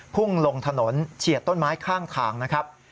พุ่งลงถนนเฉียดต้นไม้ข้างทางนะครับ